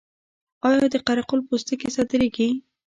آیا د قره قل پوستکي صادریږي؟